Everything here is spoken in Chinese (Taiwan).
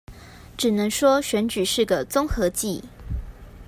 只能說選舉是個綜合技